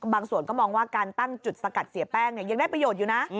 ส่วนก็มองว่าการตั้งจุดสกัดเสียแป้งยังได้ประโยชน์อยู่นะ